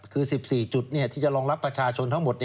คือ๑๔จุดที่จะรองรับประชาชนทั้งหมด